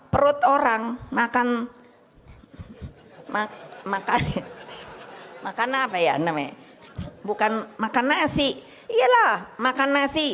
perut orang makan makan apa ya namanya bukan makan nasi iyalah makan nasi